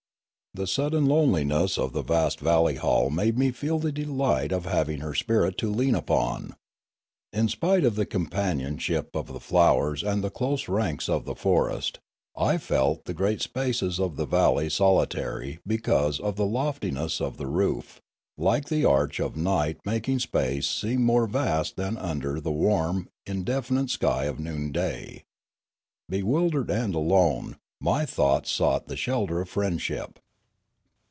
The sudden loneliness of the vast valley hall made me feel the delight of having her spirit to lean upon. In spite of the companionship of the flowers and the close ranks of the forest, I felt the great spaces of the valley solitary because of the lofti ness of the roof, like the arch of night making space seem more vast than under the warm, indefinite sky of noonday. Bewildered and alone, my thoughts sought the shelter of friendship.